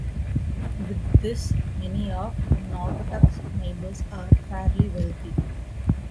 With this, many of Naugatuck's neighbors are fairly wealthy.